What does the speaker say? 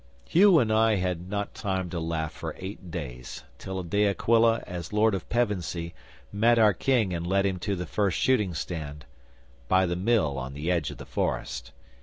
'Hugh and I had not time to laugh for eight days, till De Aquila, as Lord of Pevensey, met our King and led him to the first shooting stand by the Mill on the edge of the forest.